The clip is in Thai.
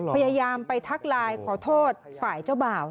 พยายามไปทักไลน์ขอโทษฝ่ายเจ้าบ่าว